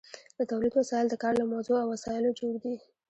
د تولید وسایل د کار له موضوع او وسایلو جوړ دي.